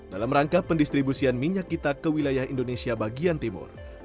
dalam rangka pendistribusian minyak kita ke wilayah indonesia bagian timur